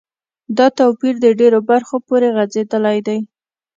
دا توپیر د ډیرو برخو پوری غځیدلی دی.